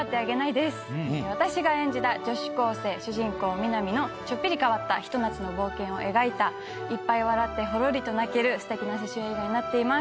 私が演じた女子高生主人公美波のちょっぴり変わったひと夏の冒険を描いたいっぱい笑ってほろりと泣けるステキな青春映画になっています。